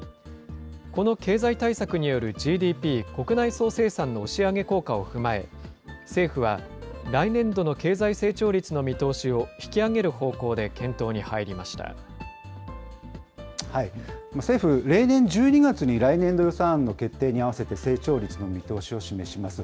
この経済対策によるＧＤＰ・国内総生産の押し上げ効果を踏まえ、政府は、来年度の経済成長率の見通しを引き上げる方向で検討に入政府、例年１２月に来年度予算案の決定に合わせて成長率の見通しを示します。